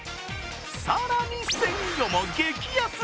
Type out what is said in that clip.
更に、鮮魚も激安。